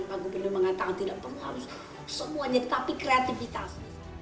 tidak tidak semuanya tapi kreativitas